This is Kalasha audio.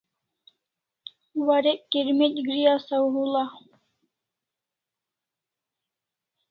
Warek kirmec' gri asaw hul'a